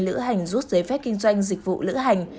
lữ hành rút giấy phép kinh doanh dịch vụ lữ hành